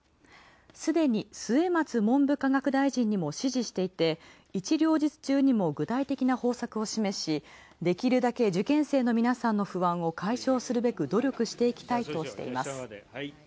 すでに末松文部科学大臣にも指示していて一両日中にも具体的な方策をできるだけ受験生の皆さんの不安を解消するべく努力していきたいとしています。